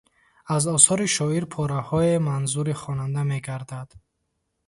Аз осори шоир пораҳое манзури хонанда мегардад.